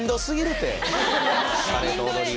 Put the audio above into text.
カレーと踊り。